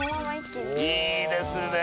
いいですねえ！